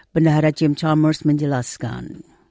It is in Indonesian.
bendahara jim chalmers menjelaskan